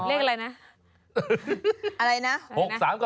เลขอะไรนะ